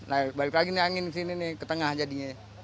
nah balik lagi nih angin ke sini nih ke tengah jadinya